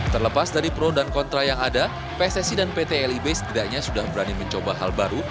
terlepas dari pro dan kontra yang ada pssi dan pt lib setidaknya sudah berani mencoba hal baru